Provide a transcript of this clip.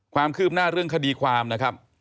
ความคืบหน้าเรื่องคดีความนะครับ